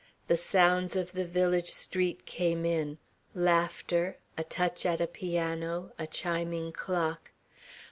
The sounds of the village street came in laughter, a touch at a piano, a chiming clock.